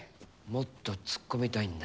もっと突っ込みたいんだ。